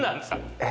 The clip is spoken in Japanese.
え。